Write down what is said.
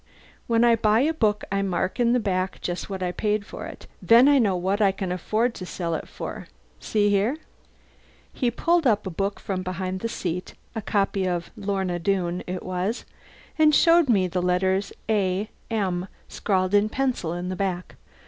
When I buy a book I mark in the back just what I paid for it, then I know what I can afford to sell it for. See here." He pulled up a book from behind the seat a copy of "Lorna Doone" it was and showed me the letters a m scrawled in pencil in the back.